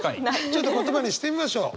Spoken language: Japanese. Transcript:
ちょっと言葉にしてみましょう。